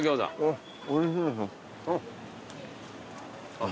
あっ。